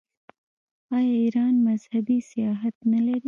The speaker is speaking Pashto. آیا ایران مذهبي سیاحت نلري؟